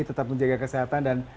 tetap menjaga kesehatan dan